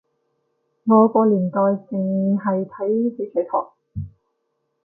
我個年代淨係睇翡翠台